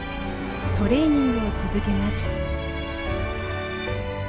トレーニングを続けます。